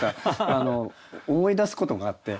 あの思い出すことがあって。